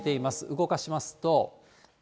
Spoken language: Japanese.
動かしますと。